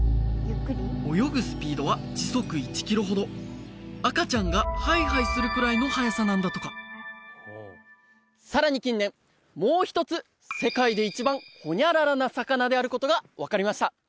泳ぐスピードは時速１キロほど赤ちゃんがハイハイするくらいの速さなんだとかさらに近年もう一つであることが分かりました